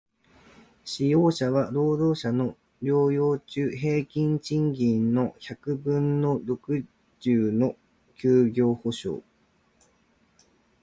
使用者は、労働者の療養中平均賃金の百分の六十の休業補償